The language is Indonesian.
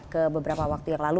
ke beberapa waktu yang lalu